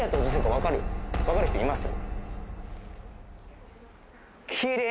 分かる人います？